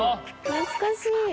懐かしい！